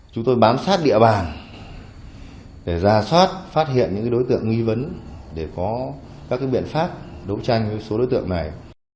chúng tôi bám sát địa bàn để ra soát phát hiện những đối tượng nghi vấn để có các biện pháp đấu tranh với số đối tượng này